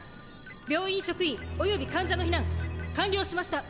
病院職員及び患者の避難完了しました。